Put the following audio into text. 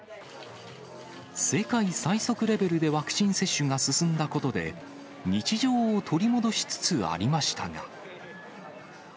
世界最速レベルでワクチン接種が進んだことで、日常を取り戻しつつありましたが。